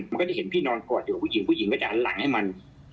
มันก็ได้เห็นพี่นอนก่อนเดี๋ยวผู้หญิงก็จะหันหลังให้มัน